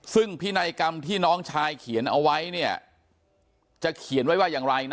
ซึ่งพินัยกรรมที่น้องชายเขียนเอาไว้เนี่ยจะเขียนไว้ว่าอย่างไรนะ